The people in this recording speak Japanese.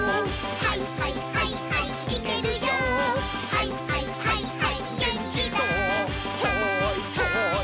「はいはいはいはいマン」